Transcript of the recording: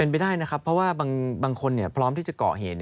เป็นไปได้นะครับเพราะว่าบางคนพร้อมที่จะเกาะเหตุ